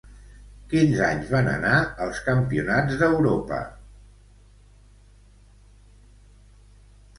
Quins anys van anar als Campionats d'Europa?